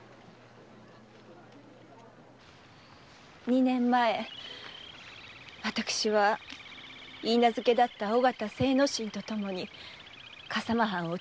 二年前私は許婚だった尾形精之進とともに笠間藩を逐電致しました。